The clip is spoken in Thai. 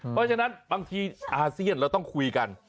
เพราะฉะนั้นบางทีอาเซียนเราต้องคุยกัน